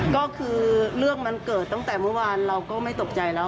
ก็คือเรื่องมันเกิดตั้งแต่เมื่อวานเราก็ไม่ตกใจแล้ว